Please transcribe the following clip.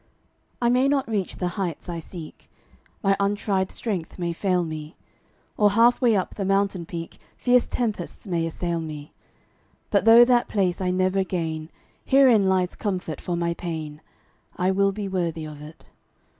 I may not reach the heights I seek, My untried strength may fail me, Or, half way up the mountain peak, Fierce tempests may assail me. But though that place I never gain, Herein lies comfort for my pain I will be worthy of it.